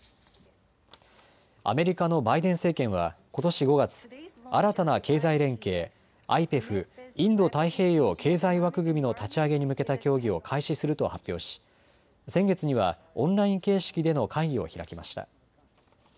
アメリカのバイデン政権はことし５月、新たな経済連携、ＩＰＥＦ・インド太平洋経済枠組みの立ち上げに向けた協議を開始すると発表し先月にはオンライン形式での会議を開きました。